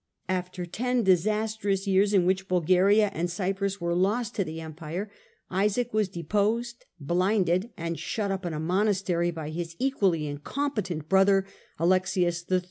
After ten disastrous years, in which Bulgaria and Cyprus were lost to the Empire, Isaac was deposed, blinded, and shut up in a monastery by his equally incompetent brother Alexius III.